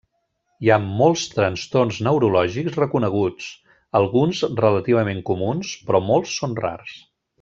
Hi ha molts trastorns neurològics reconeguts, alguns relativament comuns, però molts són rars.